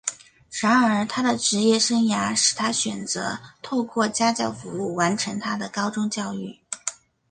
然而他的职业生涯使他选择透过家教服务完成他的高中教育。